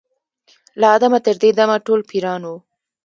له آدمه تر دې دمه ټول پیران یو